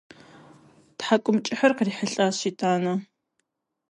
Тхьэкӏумэкӏыхьыр кърихьэлӏащ итӏанэ.